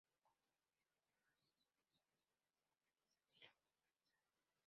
Como estrategias metodológicas utiliza la enseñanza, el aprendizaje y el autoaprendizaje.